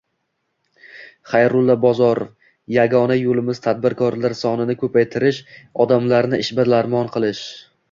Xayrullo Bozorov: “Yagona yo‘limiz – tadbirkorlar sonini ko‘paytirish, odamlarni ishbilarmon qilish”